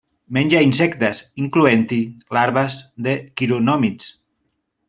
Menja insectes, incloent-hi larves de quironòmids.